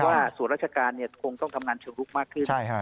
ว่าส่วนราชการคงต้องทำงานเชิงลุกมากขึ้น